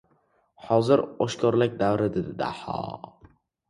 — Hozir oshkoralik davri! — dedi Daho.